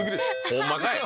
ホンマかい。